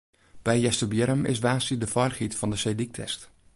By Easterbierrum is woansdei de feilichheid fan de seedyk test.